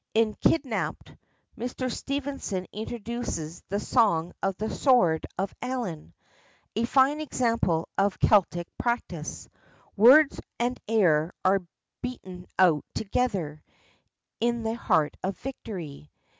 In Kidnapped, Mr. Stevenson introduces "The Song of the Sword of Alan," a fine example of Celtic practice: words and air are beaten out together, in the heat of victory.